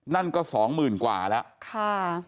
นั่นก็สองหมื่นกว่าแล้วค่ะ